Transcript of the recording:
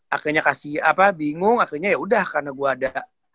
akhirnya kasi apa bingung akhirnya yaudah karena gue ada